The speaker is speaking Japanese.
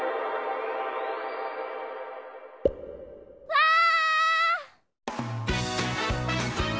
わあ！